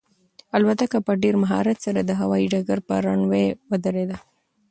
الوتکه په ډېر مهارت سره د هوایي ډګر پر رن وې ودرېده.